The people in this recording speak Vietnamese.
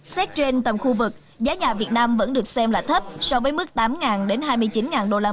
xét trên tầm khu vực giá nhà việt nam vẫn được xem là thấp so với mức tám đến hai mươi chín usd